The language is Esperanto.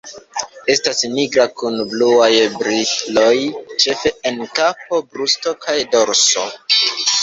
Estas nigra kun bluaj briloj, ĉefe en kapo, brusto kaj dorso.